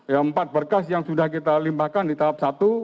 ya empat berkas yang sudah kita limpahkan di tahap satu